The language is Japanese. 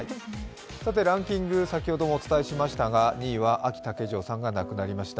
ランキング、先ほどもお伝えしましたが、２位は、あき竹城さんが亡くなりました。